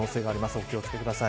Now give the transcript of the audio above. お気を付けください。